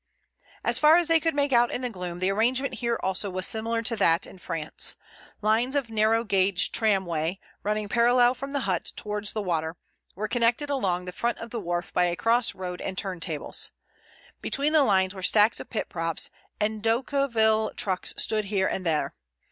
As far as they could make out in the gloom, the arrangement here also was similar to that in France. Lines of narrow gauge tramway, running parallel from the hut towards the water, were connected along the front of the wharf by a cross road and turn tables. Between the lines were stacks of pit props, and Decauville trucks stood here and there.